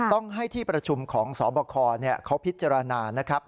ต้องให้ที่ประชุมของสบคเขาพิจารณานะครับ